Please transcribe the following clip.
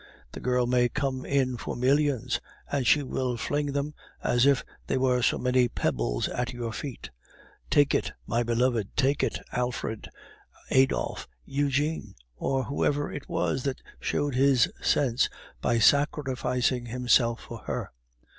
The girl may come in for millions, and she will fling them, as if they were so many pebbles, at your feet. 'Take it, my beloved! Take it, Alfred, Adolphe, Eugene!' or whoever it was that showed his sense by sacrificing himself for her.